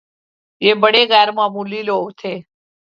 یہ بڑے غیرمعمولی لوگ تھے